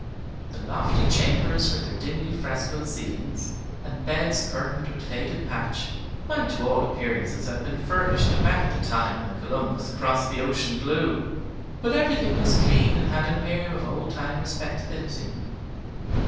The lofty chambers, with their dimly frescoed ceilings, and beds curtained with faded patch, might to all appearances have been furnished about the time when "Columbus crossed the ocean blue;" but everything was clean, and had an air of old time respectability.